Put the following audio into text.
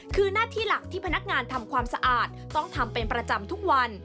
คือหน้าที่หลักที่พนักงานทำความสะอาดต้องทำเป็นประจำทุกวัน